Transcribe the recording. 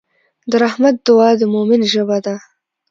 د رحمت دعا د مؤمن ژبه ده.